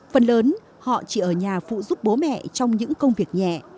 phần lớn họ chỉ ở nhà phụ giúp bố mẹ trong những công việc nhẹ